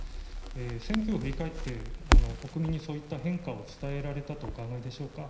選挙を振り返って、国民にそういった変化を伝えられたとお考えでしょうか。